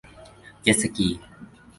เจ็ตสกี